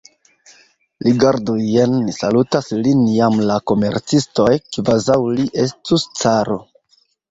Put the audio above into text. Rigardu, jen salutas lin jam la komercistoj, kvazaŭ li estus caro.